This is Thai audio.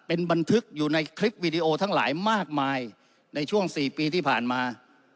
เป็นบันทึกอยู่ในคลิปวีดีโอทั้งหลายมากมายในช่วง๔ปีที่ผ่านมา